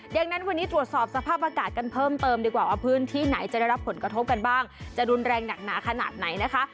ดังนั้นวันนี้ตรวจสอบสภาพอากาศกันเพิ่มเติมดีกว่าว่าพื้นที่ไหนจะได้รับผลกระทบกันบ้างจะรุนแรงหนักหนาขนาดไหนนะคะ